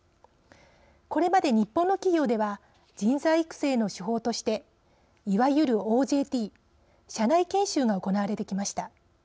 これまで日本の企業では人材育成の手法としていわゆるＯＪＴ＝社内研修が行われてきました。